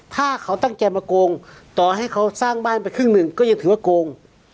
ถ้าเขาตั้งใจมาโกงต่อให้เขาสร้างบ้านไปครึ่งหนึ่งก็ยังถือว่าโกง